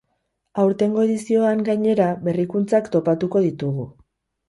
Aurtengo edizioan, gainera, berrikuntzak topatuko ditugu.